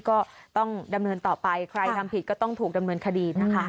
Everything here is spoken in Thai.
ก็ต้องดำเนินต่อไปใครทำผิดก็ต้องถูกดำเนินคดีนะคะ